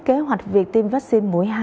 kế hoạch việc tiêm vaccine mũi hai